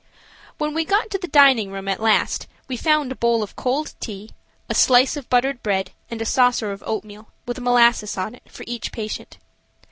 When we got into the dining room at last we found a bowl of cold tea, a slice of buttered bread and a saucer of oatmeal, with molasses on it, for each patient.